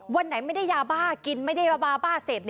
วันไหนไม่ได้ยาบ้ากินไม่ได้ยาบ้าบ้าเสพ